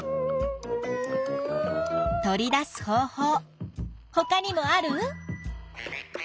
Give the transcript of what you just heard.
取り出す方法ほかにもある？